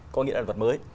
có nghĩa là luật mới